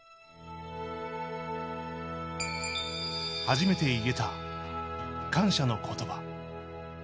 初めて言えた感謝の言葉